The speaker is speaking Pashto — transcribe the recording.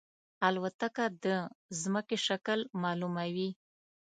الوتکه د زمکې شکل معلوموي.